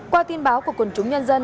qua tin báo của quần chúng nhân dân